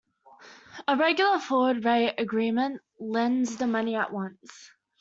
A regular forward rate agreement lends the money at once.